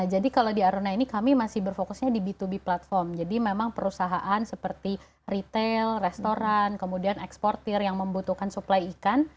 jadi kalau di aruna ini kami masih berfokusnya di b dua b platform jadi memang perusahaan seperti retail restoran kemudian eksportir yang membutuhkan suplai ikan